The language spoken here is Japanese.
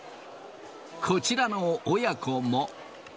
こちらの親子も。